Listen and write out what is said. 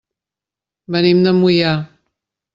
Venim de Moià.